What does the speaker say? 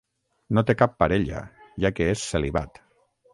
No té cap parella, ja que és celibat.